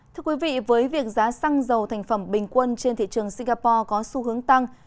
thưa quý vị với việc giá xăng dầu thành phẩm bình quân trên thị trường singapore có xu hướng tăng